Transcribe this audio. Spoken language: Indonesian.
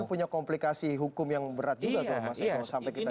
punya komplikasi hukum yang berat juga